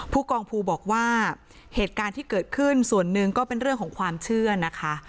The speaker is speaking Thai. ผู้กองภูบอกว่าเหตุการณ์ที่เกิดขึ้นส่วนหนึ่งก็เป็นเรื่องของความเชื่อนะคะ